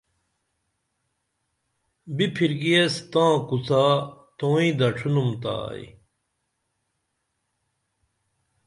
بِپھرکی ایس تاں کوڅا توئیں دڇھینُم تا ائی